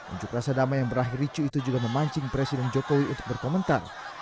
unjuk rasa damai yang berakhir ricu itu juga memancing presiden jokowi untuk berkomentar